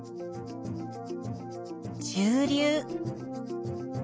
中流。